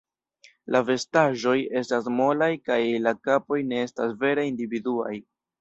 La vestaĵoj estas molaj kaj la kapoj ne estas vere individuaj.